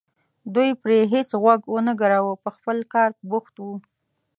دوی پرې هېڅ غوږ ونه ګراوه په خپل کار بوخت وو.